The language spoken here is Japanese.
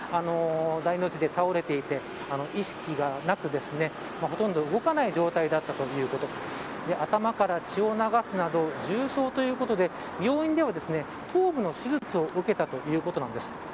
大の字で倒れていて意識がなくですねほとんど動かない状態だったということで頭から血を流すなど重症ということで病院では頭部の手術を受けたということなんです。